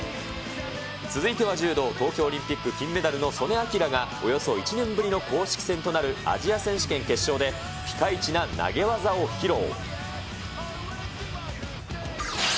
続いては柔道、東京オリンピック金メダルの素根輝が、およそ１年ぶりの公式戦となるアジア選手権決勝で、ピカイチな投げ技を披露。